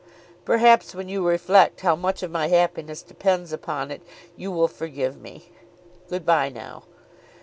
"Perhaps when you reflect how much of my happiness depends upon it you will forgive me. Good bye now."